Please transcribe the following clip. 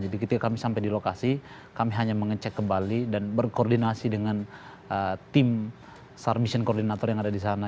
jadi ketika kami sampai di lokasi kami hanya mengecek ke bali dan berkoordinasi dengan tim sar mission koordinator yang ada di sana